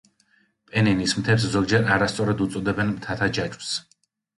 პენინის მთებს ზოგჯერ არასწორად უწოდებენ მთათა ჯაჭვს.